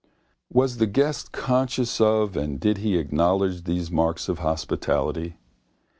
Was the guest conscious of and did he acknowledge these marks of hospitality?